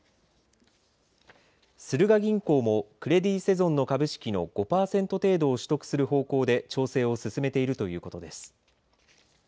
スルガ銀行もクレディセゾンの株式の５パーセント程度を取得する方向で調整を進めているということです。